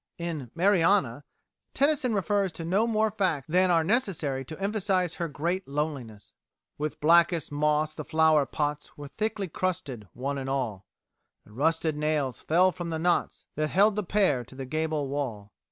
In "Mariana," Tennyson refers to no more facts than are necessary to emphasise her great loneliness: "With blackest moss the flower pots Were thickly crusted, one and all; The rusted nails fell from the knots That held the pear to the gable wall.